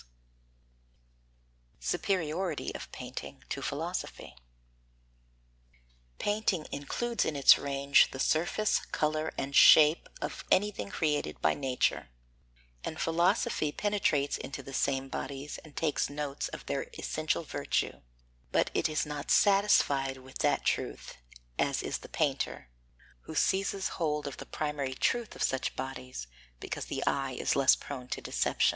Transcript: [Sidenote: Superiority of Painting to Philosophy] 12. Painting includes in its range the surface, colour and shape of anything created by nature; and philosophy penetrates into the same bodies and takes note of their essential virtue, but it is not satisfied with that truth, as is the painter, who seizes hold of the primary truth of such bodies because the eye is less prone to deception.